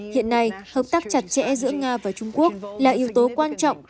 hiện nay hợp tác chặt chẽ giữa nga và trung quốc là yếu tố quan trọng